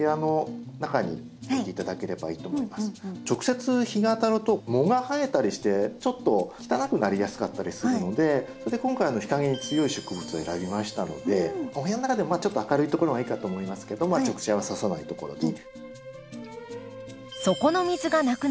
直接日が当たると藻が生えたりしてちょっと汚くなりやすかったりするのでそれで今回日陰に強い植物を選びましたのでお部屋の中でもちょっと明るいところがいいかと思いますけど直射はささないところに。